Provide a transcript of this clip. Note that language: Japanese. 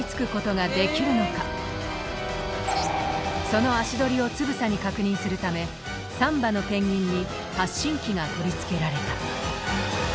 その足取りをつぶさに確認するため３羽のペンギンに発信機が取り付けられた。